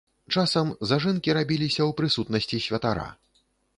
Часам зажынкі рабіліся ў прысутнасці святара.